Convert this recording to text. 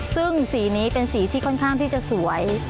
ซึ่งสีนี้เป็นสีที่ค่อนข้างที่จะสวย